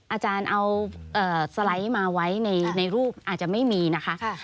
อาจารย์เอาสไลด์มาไว้ในรูปอาจจะไม่มีนะคะ